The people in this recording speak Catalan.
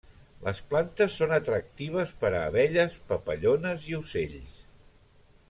Les plantes són atractives per a abelles, papallones i ocells.